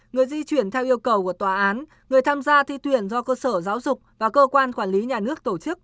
người di chuyển theo yêu cầu của tòa án người tham gia thi tuyển do cơ sở giáo dục và cơ quan quản lý nhà nước tổ chức